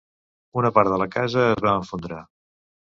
Una part de la casa es va esfondrar.